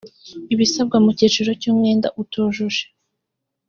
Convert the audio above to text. ibisabwa mu cyiciro cy umwenda utujuje